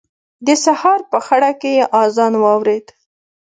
د سهار په خړه کې يې اذان واورېد.